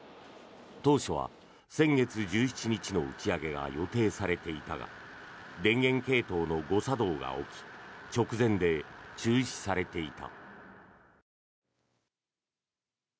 当初は先月１７日の打ち上げが予定されていたが電源系統の誤作動が起き直前で中止されていた。